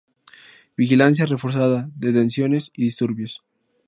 Vigilancia reforzada, detenciones y disturbios.